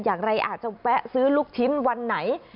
อย่างไรอาจจะแป๊ะซื้อลูกชิ้นวันไหน